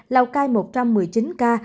lào cai một trăm một mươi chín ca